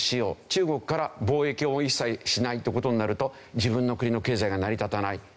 中国から貿易を一切しないって事になると自分の国の経済が成り立たない。